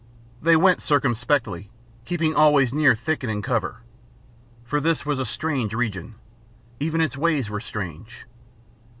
They went circumspectly, keeping always near thicket and cover, for this was a strange region even its ways were strange.